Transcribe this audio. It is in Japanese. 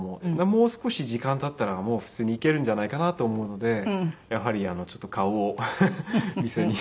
もう少し時間経ったらもう普通に行けるんじゃないかなと思うのでやはりちょっと顔を見せに。